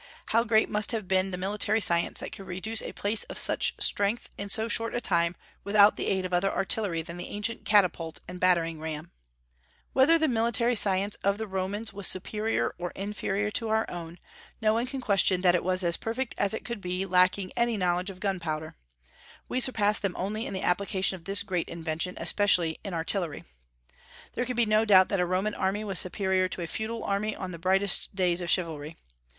How great must have been the military science that could reduce a place of such strength, in so short a time, without the aid of other artillery than the ancient catapult and battering ram! Whether the military science of the Romans was superior or inferior to our own, no one can question that it was as perfect as it could be, lacking any knowledge of gunpowder; we surpass them only in the application of this great invention, especially in artillery. There can be no doubt that a Roman army was superior to a feudal army in the brightest days of chivalry.